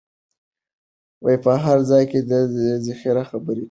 په هر ځای کې د خیر خبره کوئ.